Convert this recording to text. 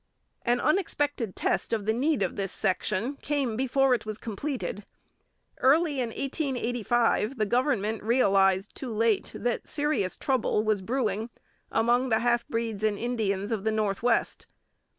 An unexpected test of the need of this section came before it was completed. Early in 1885 the government realized too late that serious trouble was brewing among the half breeds and Indians of the North West.